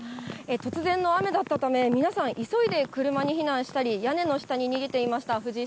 突然の雨だったため、皆さん、急いで車に避難したり、屋根の下に逃げていました。